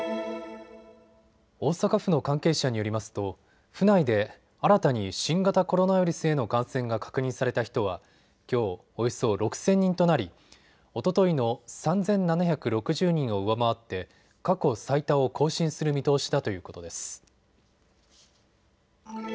大阪府の関係者によりますと府内で新たに新型コロナウイルスへの感染が確認された人はきょう、およそ６０００人となりおとといの３７６０人を上回って過去最多を更新する見通しだということです。